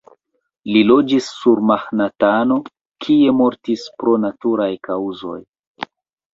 Li loĝis sur Manhatano, kie mortis pro naturaj kaŭzoj.